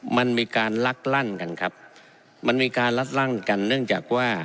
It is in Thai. มันมีการลักลั่นกันครับมันมีการลัดลั่นกันเนื่องจากว่า